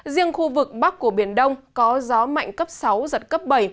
riêng khu vực bắc của biển đông có gió mạnh cấp sáu giật cấp bảy